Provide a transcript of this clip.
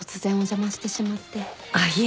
あっいえ